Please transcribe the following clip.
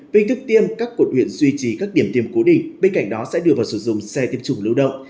việc tổ chức tiêm các quận huyền duy trì các điểm tiêm cố định bên cạnh đó sẽ đưa vào sử dụng xe tiêm chủng lưu động